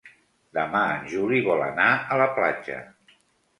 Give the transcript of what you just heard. Demà en Juli vol anar a la platja.